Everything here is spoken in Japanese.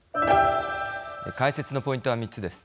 解説のポイントは３つです。